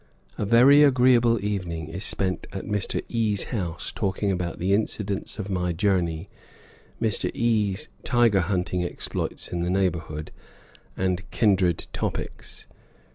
A very agreeable evening is spent at Mr. E 's house, talking about the incidents of my journey, Mr. E 's tiger hunting exploits in the neighborhood, and kindred topics.